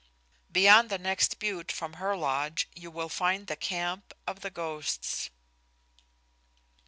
Beyond the next butte from her lodge you will find the camp of the ghosts."